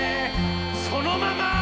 そのまま。